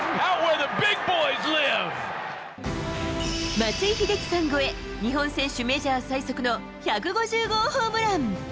松井秀喜さん超え、日本選手メジャー最速の１５０号ホームラン。